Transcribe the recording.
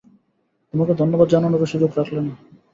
তোমাকে ধন্যবাদ জানানোর ও সুযোগ রাখলে না।